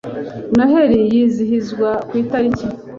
Noheli yizihizwa ku itariki